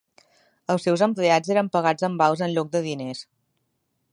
Els seus empleats eren pagats en vals en lloc de diners.